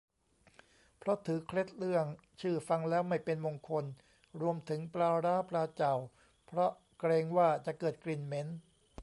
เพราะถือเคล็ดเรื่องชื่อฟังแล้วไม่เป็นมงคล รวมถึง ปลาร้า ปลาเจ่า เพราะเกรงว่าจะเกิดกลิ่นเหม็น